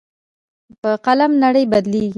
په قلم نړۍ بدلېږي.